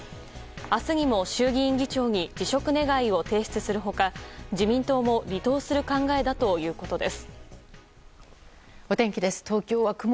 明日にも衆議院議長に辞職願を提出する他自民党も離党する考えだということです。